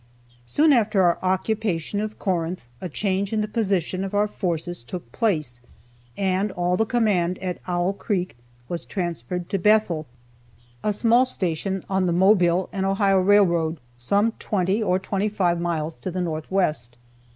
Soon after our occupation of Corinth a change in the position of our forces took place, and all the command at Owl creek was transferred to Bethel, a small station on the Mobile and Ohio railroad, some twenty or twenty five miles to the northwest.